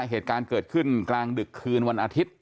เหตุการณ์เกิดขึ้นกลางดึกคืนวันอาทิตย์